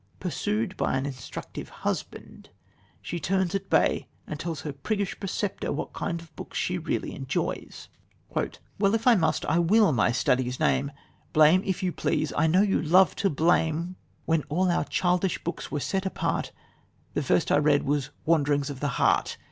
Pursued by an instructive husband, she turns at bay, and tells her priggish preceptor what kind of books she really enjoys: "Well, if I must, I will my studies name, Blame if you please I know you love to blame When all our childish books were set apart, The first I read was 'Wanderings of the Heart.'